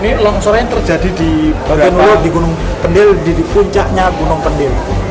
ini longsor yang terjadi di gunung pendil di puncaknya gunung pendil